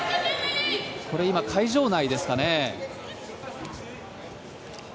これ、今、会場内ですかね。